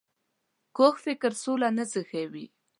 کوږ فکر سوله نه زېږوي